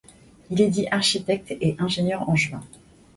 Il est dit architecte et ingénieur angevin.